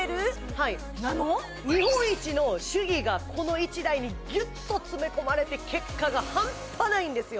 はい日本一の手技がこの１台にギュッと詰め込まれて結果がハンパないんですよ